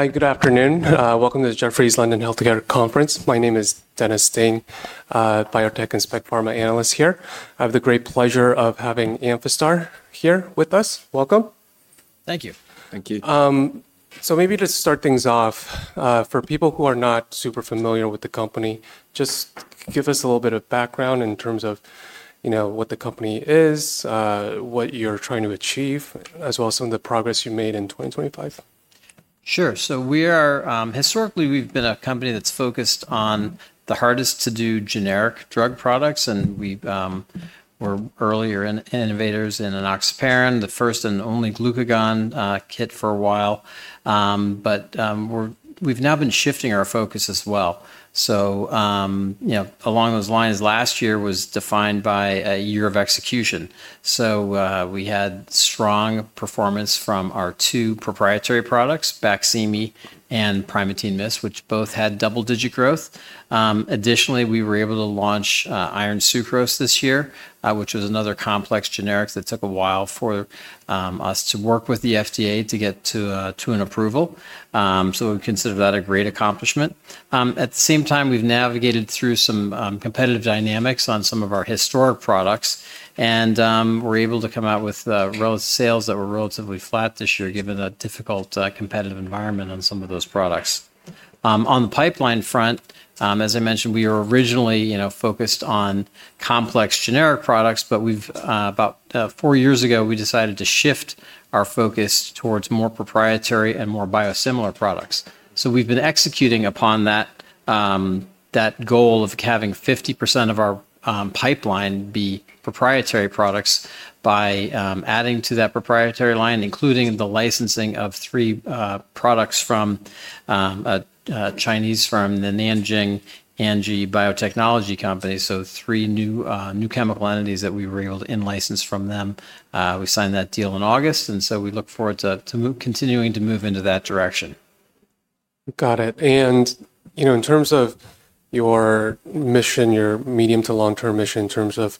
Hi, good afternoon. Welcome to the Jefferies London Healthcare Conference. My name is Dennis Ding, biotech and specialty pharma analyst here. I have the great pleasure of having Amphastar here with us. Welcome. Thank you. Maybe to start things off, for people who are not super familiar with the company, just give us a little bit of background in terms of what the company is, what you're trying to achieve, as well as some of the progress you made in 2025. Sure. Historically, we've been a company that's focused on the hardest-to-do generic drug products. We were earlier innovators in enoxaparin, the first and only glucagon kit for a while. We've now been shifting our focus as well. Along those lines, last year was defined by a year of execution. We had strong performance from our two proprietary products, Baqsimi and Primatene Mist, which both had double-digit growth. Additionally, we were able to launch iron sucrose this year, which was another complex generic that took a while for us to work with the FDA to get to an approval. We consider that a great accomplishment. At the same time, we've navigated through some competitive dynamics on some of our historic products. We were able to come out with sales that were relatively flat this year, given the difficult competitive environment on some of those products. On the pipeline front, as I mentioned, we were originally focused on complex generic products. About four years ago, we decided to shift our focus towards more proprietary and more biosimilar products. We have been executing upon that goal of having 50% of our pipeline be proprietary products by adding to that proprietary line, including the licensing of three products from a Chinese firm, Nanjing Anji Biotechnology. Three new chemical entities that we were able to in-license from them. We signed that deal in August. We look forward to continuing to move into that direction. Got it. In terms of your mission, your medium to long-term mission in terms of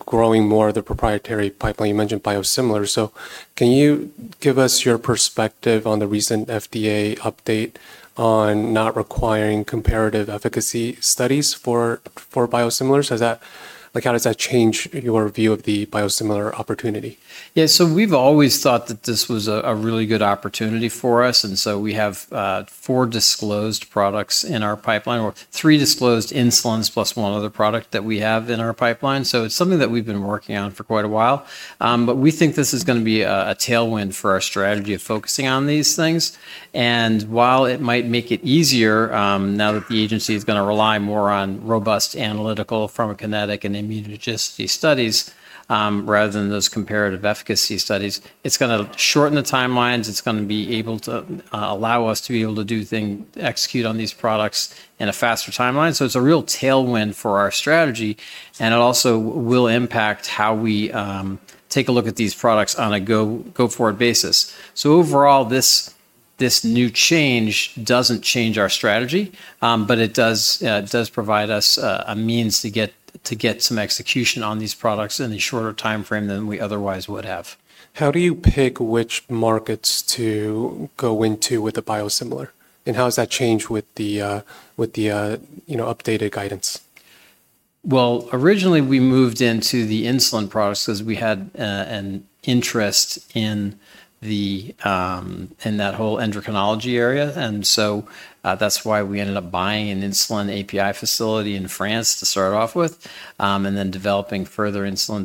growing more of the proprietary pipeline, you mentioned biosimilars. Can you give us your perspective on the recent FDA update on not requiring comparative efficacy studies for biosimilars? How does that change your view of the biosimilar opportunity? Yeah. We have always thought that this was a really good opportunity for us. We have four disclosed products in our pipeline, or three disclosed insulins plus one other product that we have in our pipeline. It is something that we have been working on for quite a while. We think this is going to be a tailwind for our strategy of focusing on these things. While it might make it easier, now that the agency is going to rely more on robust analytical pharmacokinetic and immunogenicity studies rather than those comparative efficacy studies, it is going to shorten the timelines. It is going to be able to allow us to be able to execute on these products in a faster timeline. It is a real tailwind for our strategy. It also will impact how we take a look at these products on a go-forward basis. Overall, this new change doesn't change our strategy, but it does provide us a means to get some execution on these products in a shorter time frame than we otherwise would have. How do you pick which markets to go into with a biosimilar? How has that changed with the updated guidance? Originally, we moved into the insulin products because we had an interest in that whole endocrinology area. That is why we ended up buying an insulin API facility in France to start off with, and then developing a further insulin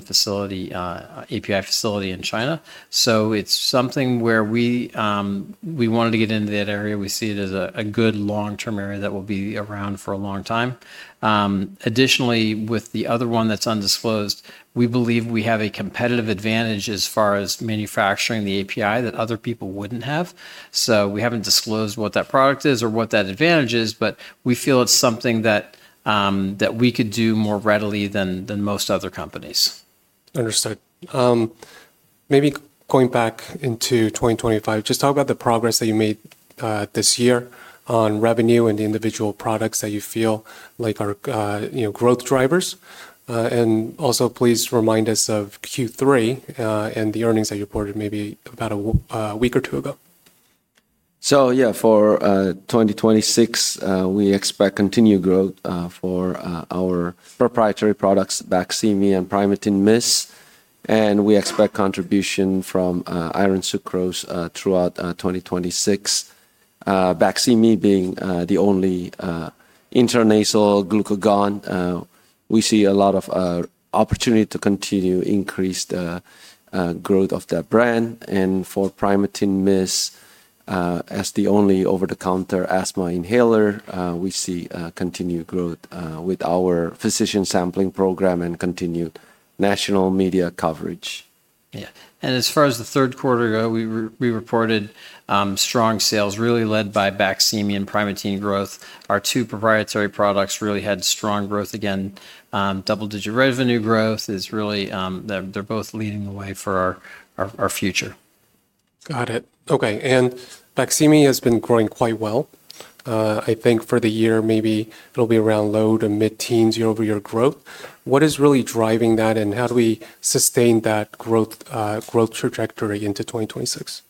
API facility in China. It is something where we wanted to get into that area. We see it as a good long-term area that will be around for a long time. Additionally, with the other one that is undisclosed, we believe we have a competitive advantage as far as manufacturing the API that other people would not have. We have not disclosed what that product is or what that advantage is, but we feel it is something that we could do more readily than most other companies. Understood. Maybe going back into 2025, just talk about the progress that you made this year on revenue and the individual products that you feel like are growth drivers. Also, please remind us of Q3 and the earnings that you reported maybe about a week or two ago. For 2026, we expect continued growth for our proprietary products, Baqsimi and Primatene Mist. We expect contribution from iron sucrose throughout 2026. Baqsimi being the only intranasal glucagon, we see a lot of opportunity to continue increased growth of that brand. For Primatene Mist, as the only over-the-counter asthma inhaler, we see continued growth with our physician sampling program and continued national media coverage. Yeah. As far as the third quarter ago, we reported strong sales, really led by Baqsimi and Primatene growth. Our two proprietary products really had strong growth. Again, double-digit revenue growth is really they are both leading the way for our future. Got it. Okay. Baqsimi has been growing quite well. I think for the year, maybe it'll be around low to mid-teens, year-over-year growth. What is really driving that, and how do we sustain that growth trajectory into 2026?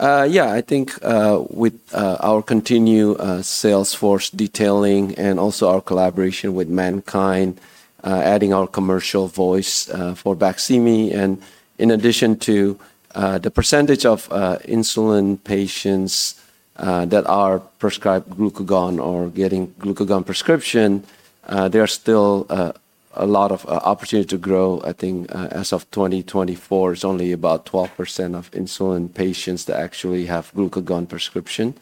Yeah, I think with our continued sales force detailing and also our collaboration with Mankind, adding our commercial voice for Baqsimi. In addition to the percentage of insulin patients that are prescribed glucagon or getting glucagon prescription, there are still a lot of opportunity to grow. I think as of 2024, it's only about 12% of insulin patients that actually have glucagon prescription.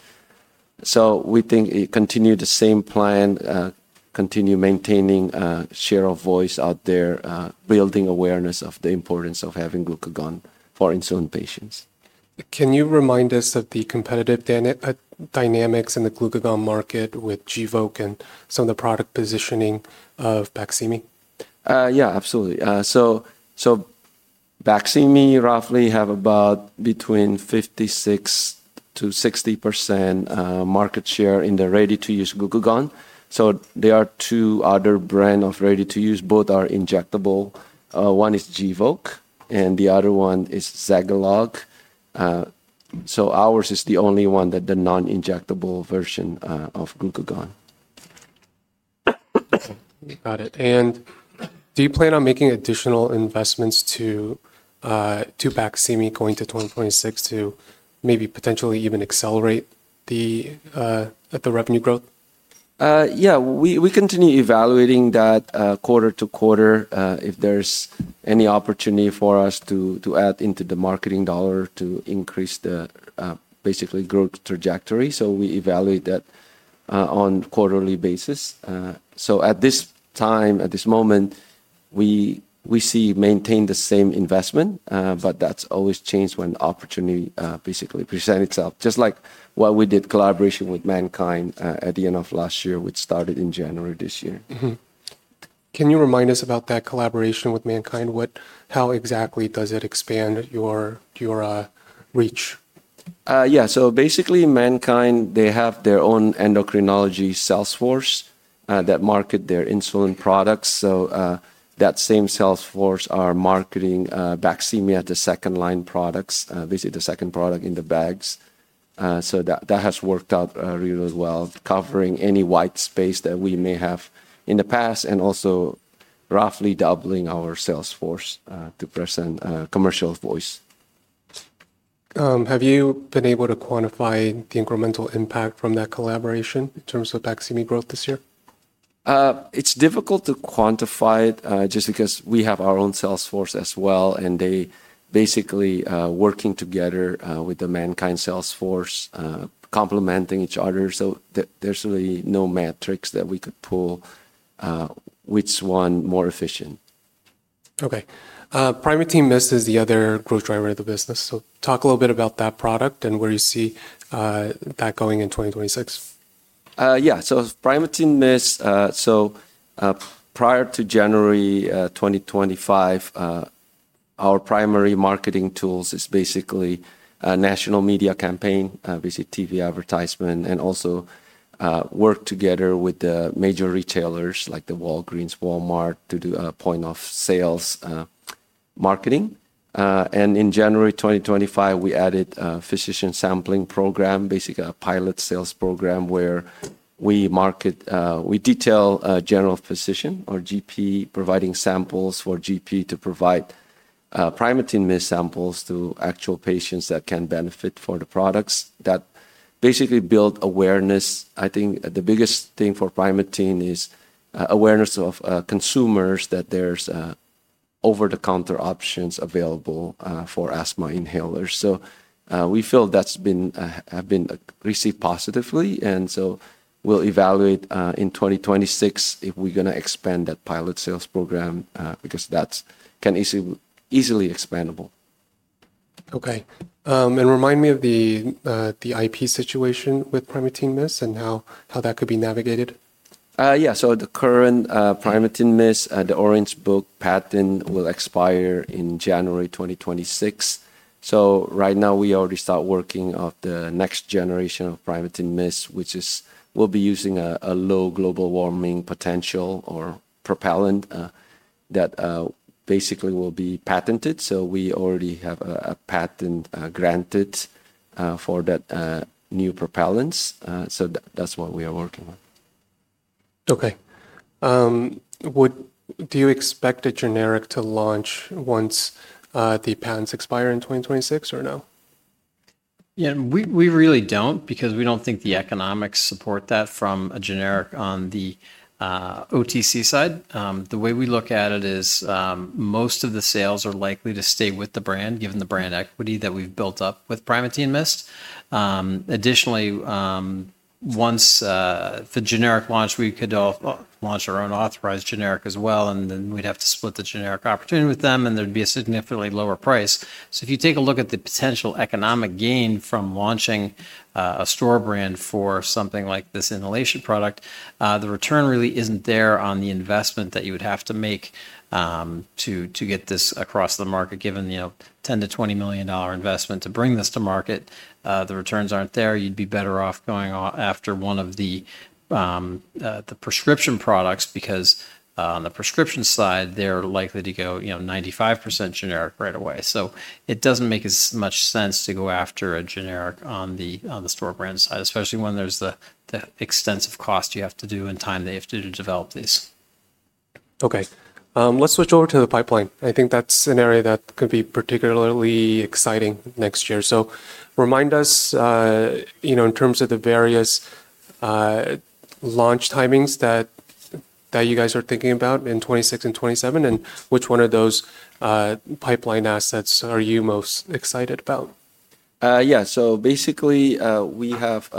We think continue the same plan, continue maintaining a share of voice out there, building awareness of the importance of having glucagon for insulin patients. Can you remind us of the competitive dynamics in the glucagon market with Gvoke and some of the product positioning of Baqsimi? Yeah, absolutely. Baqsimi roughly have about between 56%-60% market share in the ready-to-use glucagon. There are two other brands of ready-to-use. Both are injectable. One is Gvoke, and the other one is Zegalogue. Ours is the only one that is the non-injectable version of glucagon. Got it. Do you plan on making additional investments to Baqsimi going to 2026 to maybe potentially even accelerate the revenue growth? Yeah, we continue evaluating that quarter to quarter if there's any opportunity for us to add into the marketing dollar to increase the basically growth trajectory. We evaluate that on a quarterly basis. At this time, at this moment, we see maintain the same investment, but that's always changed when opportunity basically presents itself, just like what we did collaboration with Mankind at the end of last year, which started in January this year. Can you remind us about that collaboration with Mankind? How exactly does it expand your reach? Yeah. So basically, Mankind, they have their own endocrinology sales force that market their insulin products. So that same sales force are marketing Baqsimi as the second line products, basically the second product in the bags. So that has worked out really well, covering any white space that we may have in the past, and also roughly doubling our sales force to present commercial voice. Have you been able to quantify the incremental impact from that collaboration in terms of Baqsimi growth this year? It's difficult to quantify it just because we have our own sales force as well. They basically are working together with the Mankind sales force, complementing each other. There's really no metrics that we could pull which one is more efficient. Okay. Primatene Mist is the other growth driver of the business. Talk a little bit about that product and where you see that going in 2026. Yeah. So Primatene Mist, so prior to January 2025, our primary marketing tools is basically national media campaign, basically TV advertisement, and also work together with major retailers like Walgreens, Walmart to do point-of-sales marketing. In January 2025, we added a physician sampling program, basically a pilot sales program where we detail general physician or GP providing samples for GP to provide Primatene Mist samples to actual patients that can benefit from the products. That basically builds awareness. I think the biggest thing for Primatene is awareness of consumers that there's over-the-counter options available for asthma inhalers. We feel that's been received positively. We'll evaluate in 2026 if we're going to expand that pilot sales program because that can be easily expandable. Okay. Remind me of the IP situation with Primatene Mist and how that could be navigated. Yeah. The current Primatene Mist, the Orange Book patent will expire in January 2026. Right now, we already start working on the next generation of Primatene Mist, which will be using a low global warming potential propellant that basically will be patented. We already have a patent granted for that new propellant. That's what we are working on. Okay. Do you expect a generic to launch once the patents expire in 2026 or no? Yeah, we really don't because we don't think the economics support that from a generic on the OTC side. The way we look at it is most of the sales are likely to stay with the brand, given the brand equity that we've built up with Primatene Mist. Additionally, once the generic launched, we could launch our own authorized generic as well. We would have to split the generic opportunity with them, and there would be a significantly lower price. If you take a look at the potential economic gain from launching a store brand for something like this inhalation product, the return really isn't there on the investment that you would have to make to get this across the market. Given a $10-$20 million investment to bring this to market, the returns aren't there. You'd be better off going after one of the prescription products because on the prescription side, they're likely to go 95% generic right away. It doesn't make as much sense to go after a generic on the store brand side, especially when there's the extensive cost you have to do and time they have to develop these. Okay. Let's switch over to the pipeline. I think that's an area that could be particularly exciting next year. Remind us in terms of the various launch timings that you guys are thinking about in 2026 and 2027, and which one of those pipeline assets are you most excited about? Yeah. Basically, we have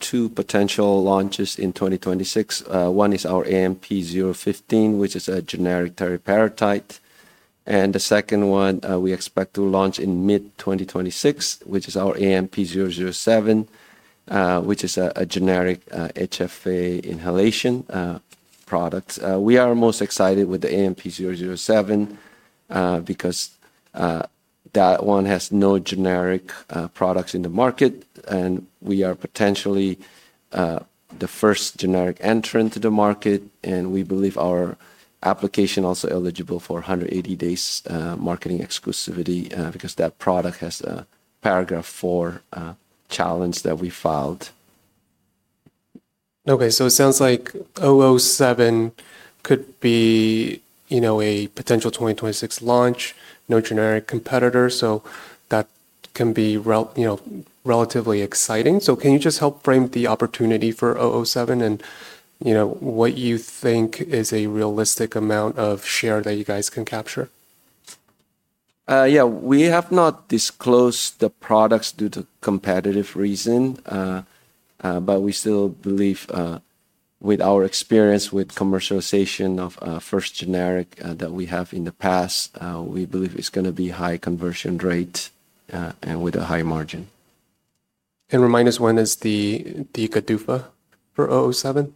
two potential launches in 2026. One is our AMP-015, which is a generic teriparatide. The second one we expect to launch in mid-2026, which is our AMP-007, which is a generic HFA inhalation product. We are most excited with the AMP-007 because that one has no generic products in the market. We are potentially the first generic entrant to the market. We believe our application is also eligible for 180 days marketing exclusivity because that product has a paragraph four challenge that we filed. Okay. It sounds like 007 could be a potential 2026 launch, no generic competitor. That can be relatively exciting. Can you just help frame the opportunity for 007 and what you think is a realistic amount of share that you guys can capture? Yeah. We have not disclosed the products due to competitive reasons, but we still believe with our experience with commercialization of first generic that we have in the past, we believe it's going to be a high conversion rate and with a high margin. Remind us when is the GDUFA for 007?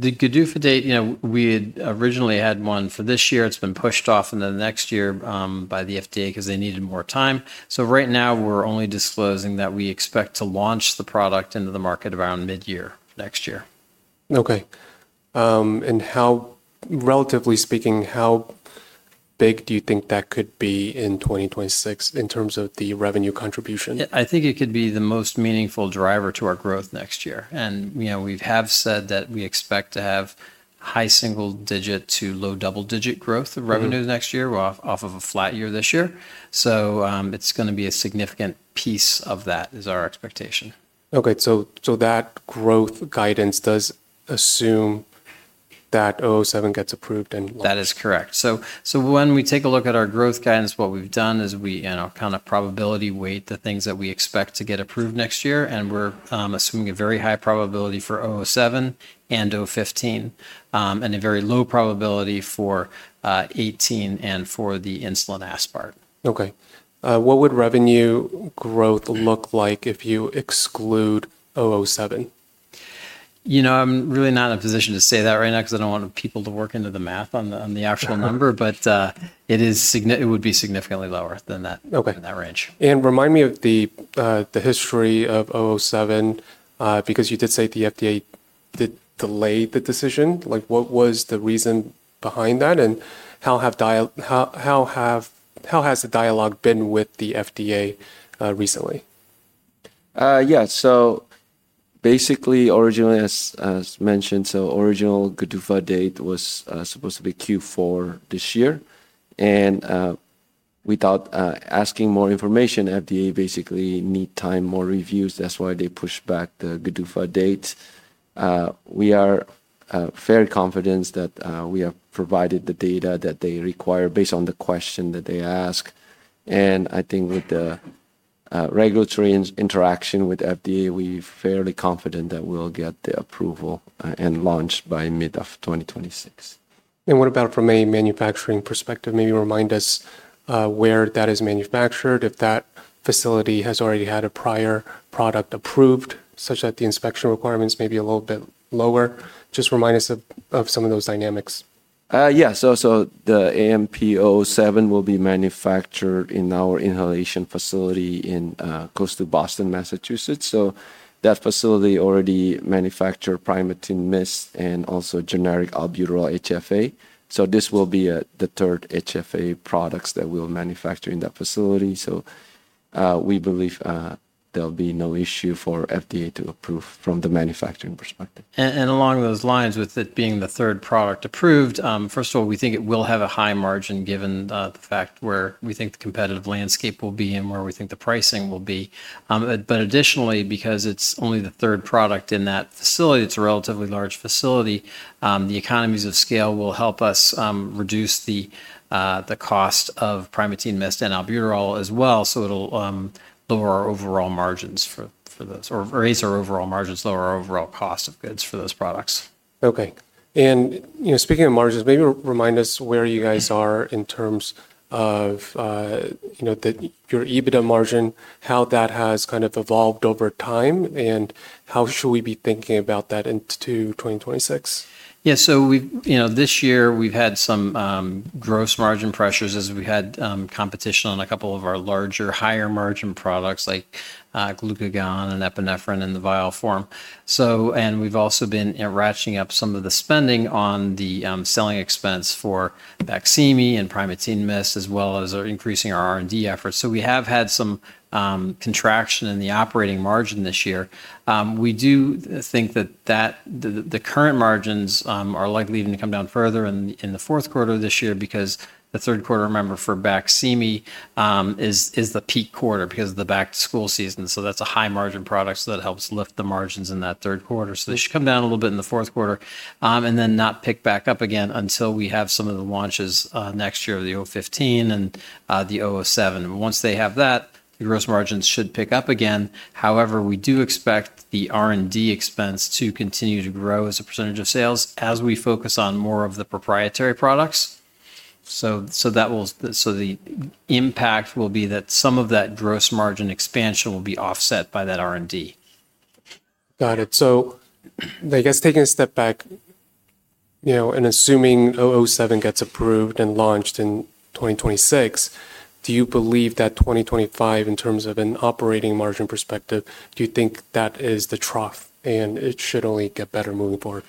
The GDUFA date, we originally had one for this year. It's been pushed off into the next year by the FDA because they needed more time. Right now, we're only disclosing that we expect to launch the product into the market around mid-year next year. Okay. Relatively speaking, how big do you think that could be in 2026 in terms of the revenue contribution? I think it could be the most meaningful driver to our growth next year. We have said that we expect to have high single-digit to low double-digit growth of revenues next year off of a flat year this year. It is going to be a significant piece of that is our expectation. Okay. That growth guidance does assume that 007 gets approved. That is correct. When we take a look at our growth guidance, what we've done is we kind of probability weight the things that we expect to get approved next year. We're assuming a very high probability for 007 and 015, and a very low probability for 018 and for the insulin aspart. Okay. What would revenue growth look like if you exclude 007? You know, I'm really not in a position to say that right now because I don't want people to work into the math on the actual number, but it would be significantly lower than that range. Remind me of the history of 007 because you did say the FDA did delay the decision. What was the reason behind that? How has the dialogue been with the FDA recently? Yeah. Basically, originally, as mentioned, the original GDUFA date was supposed to be Q4 this year. Without asking for more information, FDA basically needs more time, more reviews. That is why they pushed back the GDUFA date. We are very confident that we have provided the data that they require based on the question that they asked. I think with the regulatory interaction with FDA, we are fairly confident that we will get the approval and launch by mid 2026. What about from a manufacturing perspective? Maybe remind us where that is manufactured, if that facility has already had a prior product approved such that the inspection requirements may be a little bit lower. Just remind us of some of those dynamics. Yeah. The AMP-007 will be manufactured in our inhalation facility close to Boston, Massachusetts. That facility already manufactured Primatene Mist and also generic Albuterol HFA. This will be the third HFA product that we'll manufacture in that facility. We believe there'll be no issue for FDA to approve from the manufacturing perspective. Along those lines, with it being the third product approved, first of all, we think it will have a high margin given the fact where we think the competitive landscape will be and where we think the pricing will be. Additionally, because it's only the third product in that facility, it's a relatively large facility, the economies of scale will help us reduce the cost of Primatene Mist and Albuterol as well. It will lower our overall margins for those or raise our overall margins, lower our overall cost of goods for those products. Okay. Speaking of margins, maybe remind us where you guys are in terms of your EBITDA margin, how that has kind of evolved over time, and how should we be thinking about that into 2026? Yeah. This year, we've had some gross margin pressures as we had competition on a couple of our larger higher margin products like glucagon and epinephrine in the vial form. We've also been ratcheting up some of the spending on the selling expense for Baqsimi and Primatene Mist as well as increasing our R&D efforts. We have had some contraction in the operating margin this year. We do think that the current margins are likely even to come down further in the fourth quarter of this year because the third quarter, remember, for Baqsimi is the peak quarter because of the back-to-school season. That's a high margin product that helps lift the margins in that third quarter. They should come down a little bit in the fourth quarter and then not pick back up again until we have some of the launches next year of the 015 and the 007. Once they have that, the gross margins should pick up again. However, we do expect the R&D expense to continue to grow as a percentage of sales as we focus on more of the proprietary products. The impact will be that some of that gross margin expansion will be offset by that R&D. Got it. I guess taking a step back and assuming 007 gets approved and launched in 2026, do you believe that 2025, in terms of an operating margin perspective, do you think that is the trough and it should only get better moving forward?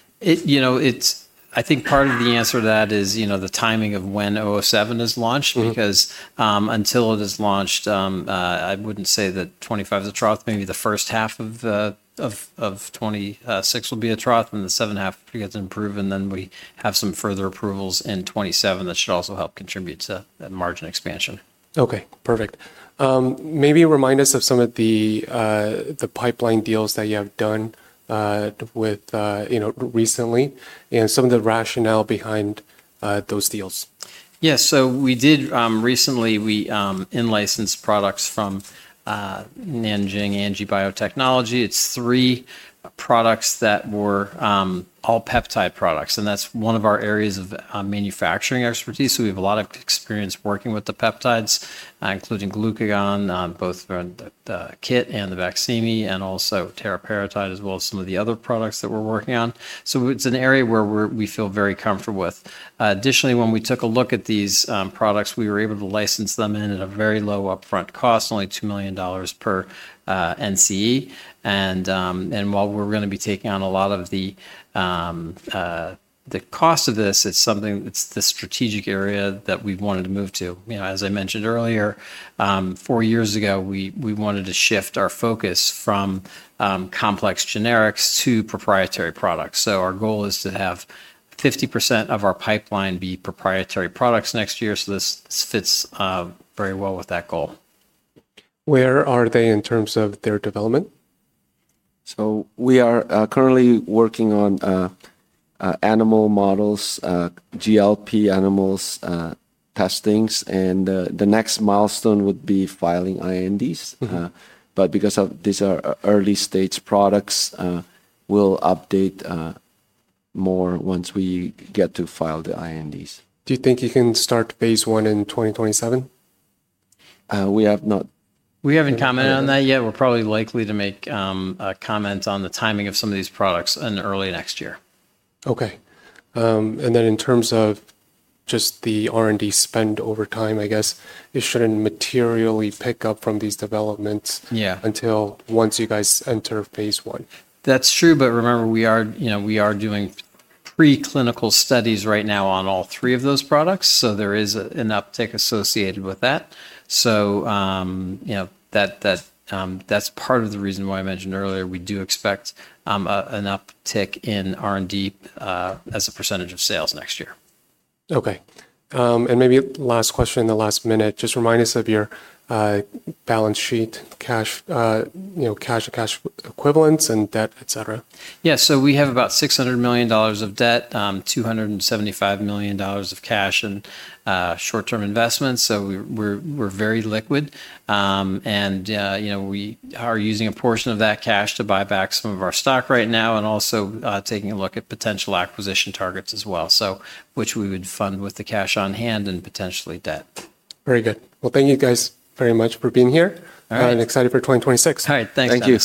I think part of the answer to that is the timing of when 007 is launched because until it is launched, I would not say that 2025 is a trough. Maybe the first half of 2026 will be a trough and the second half gets improved. Then we have some further approvals in 2027 that should also help contribute to margin expansion. Okay. Perfect. Maybe remind us of some of the pipeline deals that you have done recently and some of the rationale behind those deals. Yeah. We did recently, we in-licensed products from Nanjing Anji Biotechnology. It's three products that were all peptide products. That's one of our areas of manufacturing expertise. We have a lot of experience working with the peptides, including glucagon, both the kit and the Baqsimi, and also teriparatide, as well as some of the other products that we're working on. It's an area where we feel very comfortable with. Additionally, when we took a look at these products, we were able to license them in at a very low upfront cost, only $2 million per NCE. While we're going to be taking on a lot of the cost of this, it's something that's the strategic area that we've wanted to move to. As I mentioned earlier, four years ago, we wanted to shift our focus from complex generics to proprietary products. Our goal is to have 50% of our pipeline be proprietary products next year. This fits very well with that goal. Where are they in terms of their development? We are currently working on animal models, GLP animal testings. The next milestone would be filing INDs. Because these are early-stage products, we'll update more once we get to file the INDs. Do you think you can start phase one in 2027? We have not. We haven't commented on that yet. We're probably likely to make comments on the timing of some of these products in early next year. Okay. In terms of just the R&D spend over time, I guess it shouldn't materially pick up from these developments until once you guys enter phase one. That's true. Remember, we are doing preclinical studies right now on all three of those products. There is an uptick associated with that. That's part of the reason why I mentioned earlier we do expect an uptick in R&D as a percentage of sales next year. Okay. Maybe last question in the last minute, just remind us of your balance sheet cash and cash equivalents and debt, etc. Yeah. We have about $600 million of debt, $275 million of cash, and short-term investments. We are very liquid. We are using a portion of that cash to buy back some of our stock right now and also taking a look at potential acquisition targets as well, which we would fund with the cash on hand and potentially debt. Very good. Thank you guys very much for being here. All right. Excited for 2026. All right. Thanks. Bye.